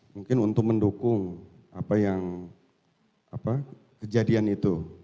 mungkin untuk mendukung apa yang kejadian itu